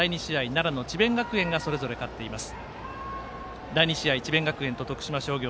奈良の智弁学園がそれぞれ勝っています。